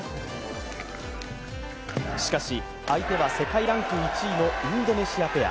しかし、相手は世界ランク１位のインドネシアペア。